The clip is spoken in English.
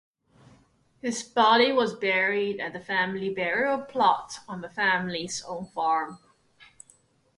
His body was buried at the family burial plot on the family's own farm.